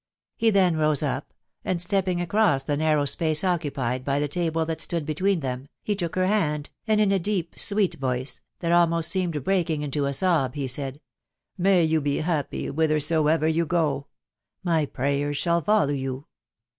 He then rose up, and stepping across the narrow space occupied by the table that stood between them, he took her hand, and in a deep, sweet voice, that almost seemed breaking into a sob, he said, —" May you be happy whithersoever you go !••.• My prayers shalli follow you